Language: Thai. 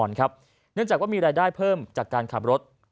เนื่องจากว่ามีรายได้เพิ่มจากการขับรถ